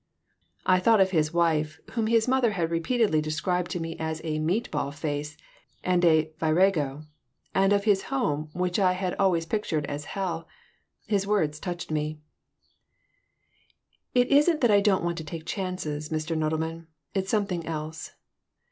I thought of his wife whom his mother had repeatedly described to me as a "meat ball face" and a virago, and of his home which I had always pictured as hell. His words touched me "It isn't that I don't want to take chances, Mr. Nodelman. It's something else.